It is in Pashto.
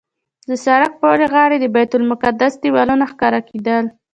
د سړک پورې غاړې د بیت المقدس دیوالونه ښکاره کېدل.